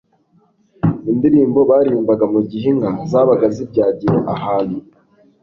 Indirimbo baririmbaga mu gihe inka zabaga zibyagiye ahantu,